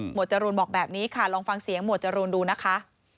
จรูนบอกแบบนี้ค่ะลองฟังเสียงหมวดจรูนดูนะคะ